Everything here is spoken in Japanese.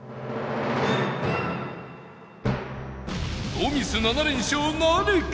ノーミス７連勝なるか？